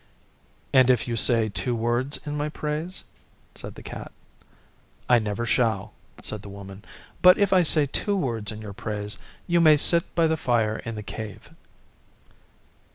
'And if you say two words in my praise?' said the Cat. 'I never shall,' said the Woman, 'but if I say two words in your praise, you may sit by the fire in the Cave.